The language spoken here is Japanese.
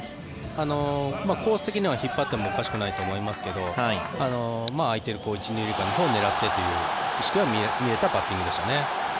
コース的には引っ張ってもおかしくないと思いますけど空いている１・２塁間を狙ってという意識は見えたバッティングでしたね。